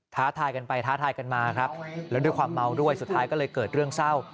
ท้าทายกันไปท้าทายกันมาครับแล้วด้วยความเมาด้วยสุดท้ายก็เลยเกิดเรื่องเศร้า